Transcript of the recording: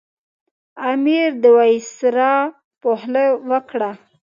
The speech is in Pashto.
امیر د وایسرا په خوله وکړه.